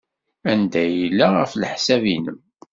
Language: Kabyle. Anda ay yella, ɣef leḥsab-nnem?